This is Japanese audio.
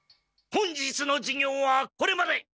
本日の授業はこれまで。